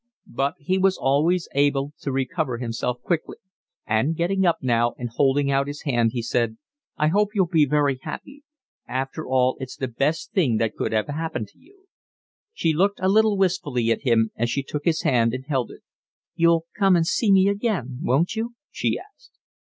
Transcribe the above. But he was always able to recover himself quickly, and, getting up now and holding out his hand, he said: "I hope you'll be very happy. After all, it's the best thing that could have happened to you." She looked a little wistfully at him as she took his hand and held it. "You'll come and see me again, won't you?" she asked.